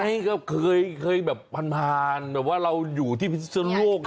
มียังไงเคยแบบพ่นพาลแต่ว่าเราอยู่ที่พิโสรโลก